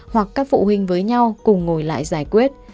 hoặc các phụ huynh với nhau cùng ngồi lại giải quyết